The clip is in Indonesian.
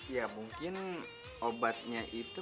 ya mungkin obatnya itu